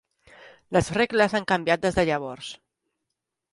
Les regles han canviat des de llavors.